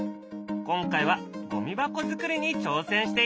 今回はゴミ箱作りに挑戦している。